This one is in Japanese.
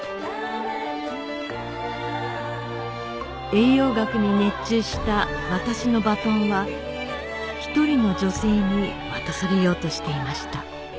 栄養学に熱中した私のバトンは一人の女性に渡されようとしていました